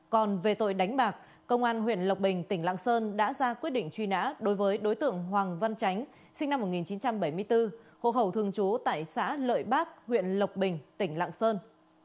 còn về tội đánh bạc công an huyện lộc bình tỉnh lạng sơn đã ra quyết định truy nã đối với đối tượng hoàng văn tránh sinh năm một nghìn chín trăm bảy mươi bốn hộ khẩu thường trú tại xã lợi bác huyện lộc bình tỉnh lạng sơn